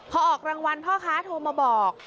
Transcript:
พอออกรางวัลพ่อค้าโทรมาบอก